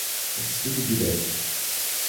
auxílio direto